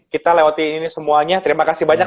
kita lewati ini semuanya terima kasih banyak